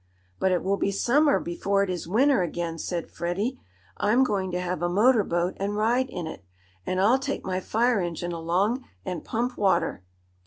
"But it will be summer before it is winter again," said Freddie. "I'm going to have a motor boat and ride in it. And I'll take my fire engine along, and pump water."